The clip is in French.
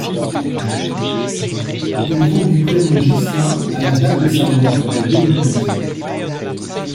Ils vont du prénom « Ghislain » à la date de sa mort « deux mille douze ».